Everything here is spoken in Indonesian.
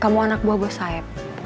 kamu anak buah buah sayap